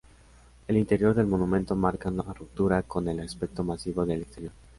El interior del monumento marca una ruptura con el aspecto masivo del exterior.